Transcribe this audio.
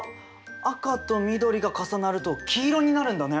赤と緑が重なると黄色になるんだね。